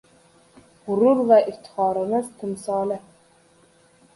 G‘urur va iftixorimiz timsoli